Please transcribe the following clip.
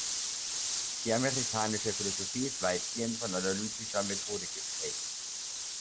Die amerikanische Philosophie ist weitgehend von analytischer Methode geprägt.